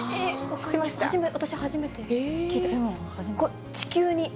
私初めて聞いた。